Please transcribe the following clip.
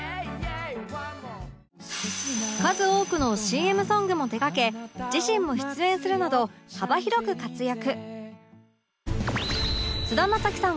数多くの ＣＭ ソングも手がけ自身も出演するなど幅広く活躍